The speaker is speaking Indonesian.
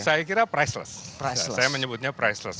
saya kira priceless saya menyebutnya priceless